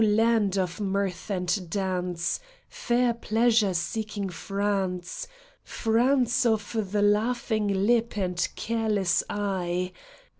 LAND of mirth and dance, Fair pleasure seeking France ! 'France of the laughing lip and careless eye